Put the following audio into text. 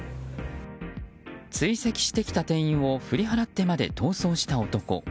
追跡してきた店員を振り払ってまで逃走した男。